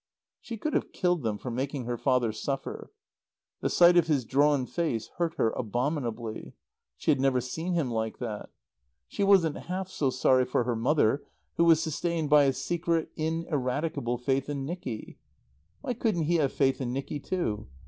She could have killed them for making her father suffer. The sight of his drawn face hurt her abominably. She had never seen him like that. She wasn't half so sorry for her mother who was sustained by a secret, ineradicable faith in Nicky. Why couldn't he have faith in Nicky too?